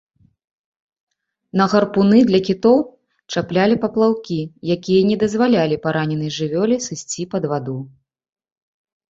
На гарпуны для кітоў чаплялі паплаўкі, якія не дазвалялі параненай жывёле сысці пад ваду.